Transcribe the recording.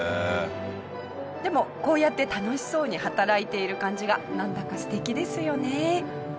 でもこうやって楽しそうに働いている感じがなんだか素敵ですよね。